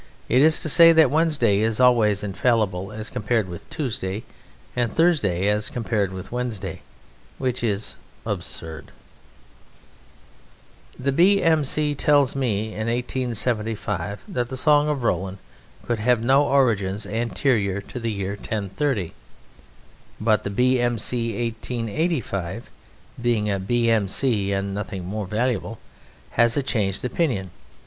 It is to say that Wednesday is always infallible as compared with Tuesday, and Thursday as compared with Wednesday, which is absurd. The B.M.C. tells me in 1875 that the Song of Roland could have no origins anterior to the year 1030. But the B.M.C. of 1885 (being a B.M.C. and nothing more valuable) has a changed opinion.